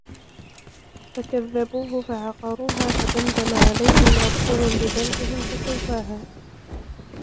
فَكَذَّبوهُ فَعَقَروها فَدَمدَمَ عَلَيهِم رَبُّهُم بِذَنبِهِم فَسَوّاها